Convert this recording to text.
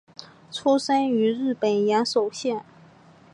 出身于日本岩手县。